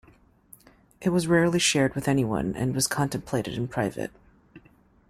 It was rarely shared with anyone and was contemplated in private.